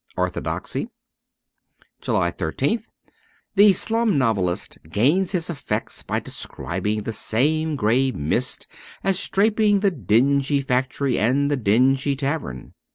^Orthodoxy.' 214 JULY 13th THE slum novelist gains his effects by describing the same grey mist as draping the dingy factory and the dingy tavern.